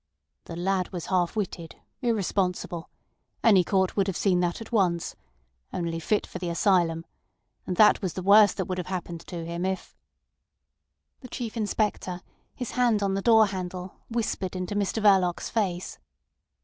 "The lad was half witted, irresponsible. Any court would have seen that at once. Only fit for the asylum. And that was the worst that would've happened to him if—" The Chief Inspector, his hand on the door handle, whispered into Mr Verloc's face.